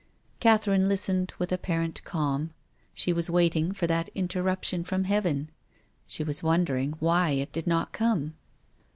Catherine listened with apparent calm. She was waiting for that interruption from heaven. She was wondering why it did not come.